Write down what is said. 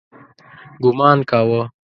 ګومان کاوه.